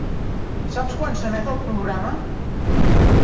Saps quan s'emet el programa?